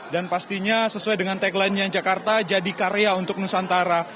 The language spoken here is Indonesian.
dan pastinya sesuai dengan tagline nya jakarta jadi karya untuk nusantara